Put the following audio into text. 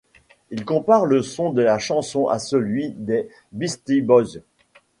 Il compare le son de la chanson à celui des Beastie Boys.